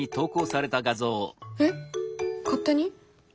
えっ勝手に？